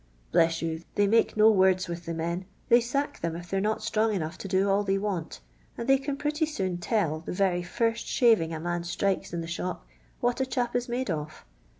Bless you, they make no words with the men, they sack them if they 're not strong enough to do all they want; and they can pretty soon tell, the very first shaving a man strikes in the shop, what a chap is made of.